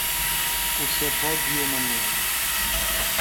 Osservò zio Emanuele.